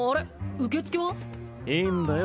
受付は？いいんだよ